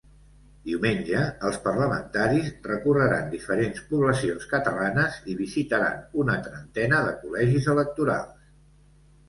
Diumenge, els parlamentaris recorreran diferents poblacions catalanes i visitaran una trentena de col·legis electorals.